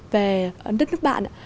về đất nước bạn ạ